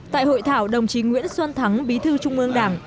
tại hội thảo đồng chí nguyễn xuân thắng bí thư trung ương đảng